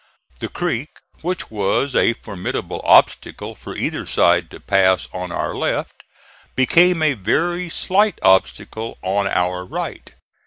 The creek, which was a formidable obstacle for either side to pass on our left, became a very slight obstacle on our right.